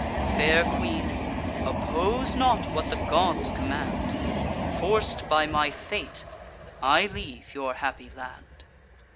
Fair queen, oppose not what the gods command; Forc'd by my fate, I leave your happy land."